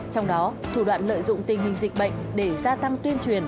trong đó thủ đoạn lợi dụng tình hình dịch bệnh để gia tăng tuyên truyền